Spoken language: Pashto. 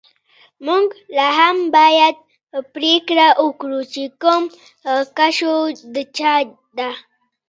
موږ لاهم باید پریکړه وکړو چې کوم کشو د چا ده